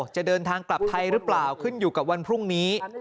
จะเดินทางกลับไทยหรือเปล่าขึ้นอยู่กับวันพรุ่งนี้